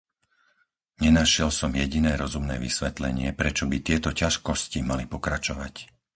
Nenašiel som jediné rozumné vysvetlenie, prečo by tieto ťažkosti mali pokračovať.